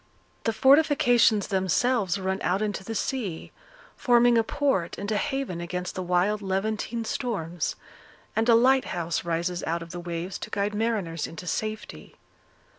The fortifications themselves run out into the sea, forming a port and a haven against the wild Levantine storms; and a lighthouse rises out of the waves to guide mariners into safety.